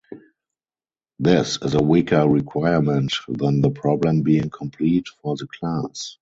This is a weaker requirement than the problem being complete for the class.